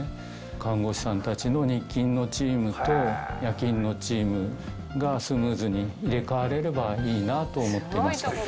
看護師さんたちの日勤のチームと夜勤のチームがスムーズに入れ代われればいいなと思っていました。